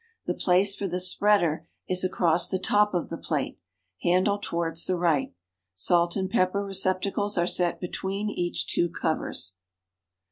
The place for the "spreader" is across the top of the jjlate, handle towards the right. Salt and pepi)er receptacles are set between each two covers.